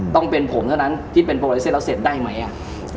ต้องเป็นผมเท่านั้นที่เป็นโปรไลเซ็นตแล้วเสร็จได้ไหมอ่ะ